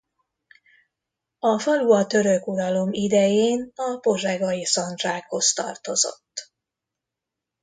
A falu a török uralom idején a Pozsegai szandzsákhoz tartozott.